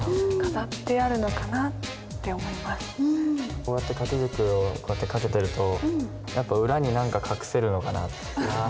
こうやって掛軸をこうやって掛けてると裏に何か隠せるのかなって。